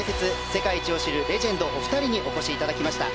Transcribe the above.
世界一を知るレジェンドお二人にお越しいただきました。